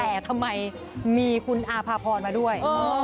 แต่ทำไมมีคุณอาภาพรมาด้วย